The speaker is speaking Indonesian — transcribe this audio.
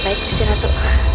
baik istri ratu